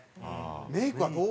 メイクはどう？